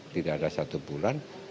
tidak ada satu bulan